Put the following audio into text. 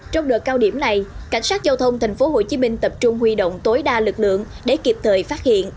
trong đợt cao điểm này cảnh sát giao thông tp hcm tập trung huy động tối đa lực lượng để kịp thời phát hiện